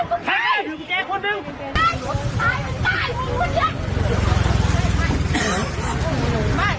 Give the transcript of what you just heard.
ขับให้กุญแจคนหนึ่ง